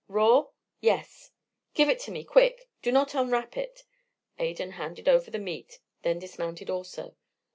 "Raw?" "Yes." "Give it to me quick. Do not unwrap it." Adan handed over the meat, then dismounted also.